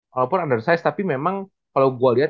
walaupun undersized tapi memang kalo gue liat